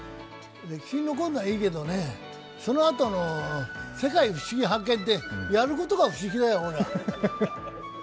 歴史に残るのはいいけどね、そのあとの「世界ふしぎ発見！」ってやることが不思議だよ、俺は。